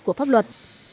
của pháp luật